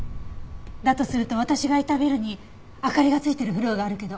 だとすると私がいたビルに明かりがついてるフロアがあるけど。